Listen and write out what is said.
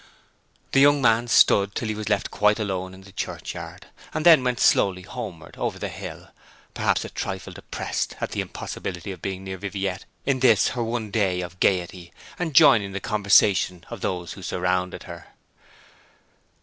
The young man stood till he was left quite alone in the churchyard, and then went slowly homeward over the hill, perhaps a trifle depressed at the impossibility of being near Viviette in this her one day of gaiety, and joining in the conversation of those who surrounded her.